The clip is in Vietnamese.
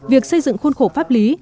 việc xây dựng khuôn khổ pháp lý